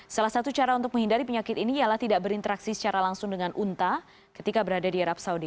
salah satu cara untuk menghindari penyakit ini ialah tidak berinteraksi secara langsung dengan unta ketika berada di arab saudi